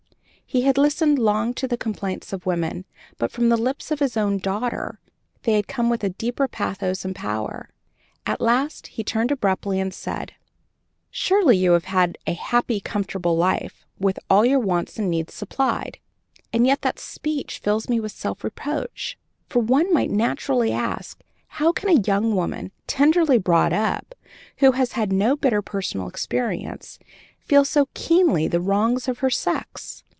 He had listened long to the complaints of women, but from the lips of his own daughter they had come with a deeper pathos and power. At last, turning abruptly, he said: "Surely you have had a happy, comfortable life, with all your wants and needs supplied; and yet that speech fills me with self reproach; for one might naturally ask, how can a young woman, tenderly brought up, who has had no bitter personal experience, feel so keenly the wrongs of her sex?